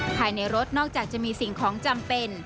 ภายในรถนอกจากจะมีสิ่งของจำเป็น